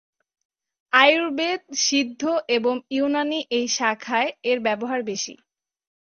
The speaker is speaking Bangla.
আয়ুর্বেদ, সিদ্ধ এবং ইউনানী এই শাখায় এর ব্যবহার বেশি।